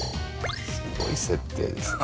すごい設定ですね。